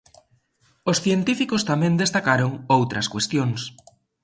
Os científicos tamén destacaron outras cuestións.